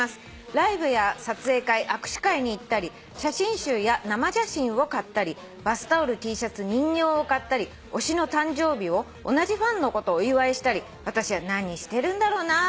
「ライブや撮影会握手会に行ったり写真集や生写真を買ったりバスタオルＴシャツ人形を買ったり推しの誕生日を同じファンの子とお祝いしたり私は『何してるんだろうなぁ。